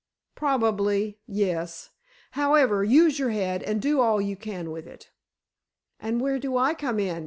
"Probably—yes. However, use your head, and do all you can with it." "And where do I come in?"